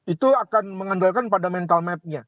itu akan mengandalkan pada mental map nya